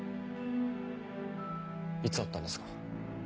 いつ会ったんですか？